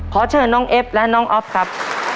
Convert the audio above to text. ขอเชิญน้องเอฟและน้องอ๊อฟครับ